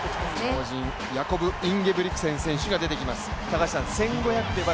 超人ヤコブ・インゲブリクセン選手が出てきます。